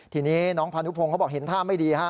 ทีนี้น้องพานุพงศ์เขาบอกเห็นท่าไม่ดีฮะ